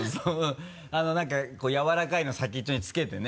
何かこうやわらかいの先っちょにつけてね？